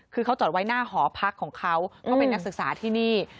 คือเขาจอดไว้หน้าหอพักของเขาเขาเป็นนักศึกษาที่นี่